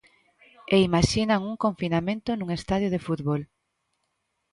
E imaxinan un confinamento nun estadio de fútbol.